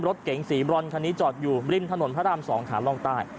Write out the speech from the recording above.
รถเก๋งสีบรอนคันนี้จอดอยู่ริมถนนพระราม๒ขาล่องใต้